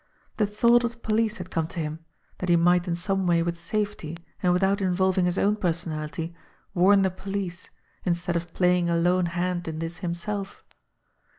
The thought of the police had come to him ; that he might in some way with safety and without involving his own personality warn the police, instead of playing a lone hand in this him self.